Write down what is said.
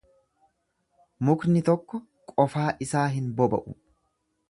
Mukni tokko qofaa isaa hin boba'u.